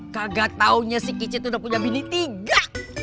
kagak taunya si kicit udah punya milih tiga